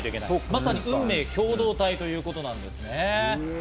まさに運命共同体ということなんですね。